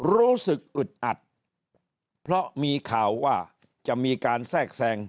รู้สึกอึดอัดเพราะมีข่าวว่าจะมีการแทรกแทรง